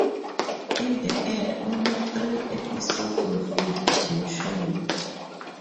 In the end only three episodes were filmed and shown.